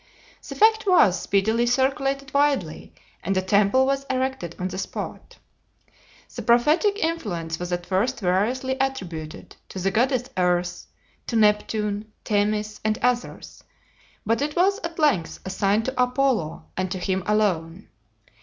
The fact was speedily circulated widely, and a temple was erected on the spot. The prophetic influence was at first variously attributed to the goddess Earth, to Neptune, Themis, and others, but it was at length assigned to Apollo, and to him alone.